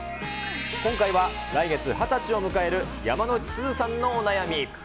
今回は来月２０歳を迎える山之内すずさんのお悩み。